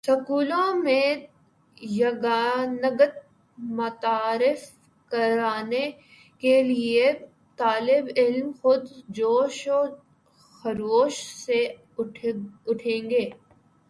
سکولوں میں یگانگت متعارف کروانے کے لیے طالب علم خود جوش و خروش سے اٹھیں گے